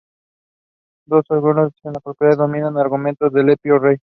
Dos oráculos en particular dominan el argumento de "Edipo rey".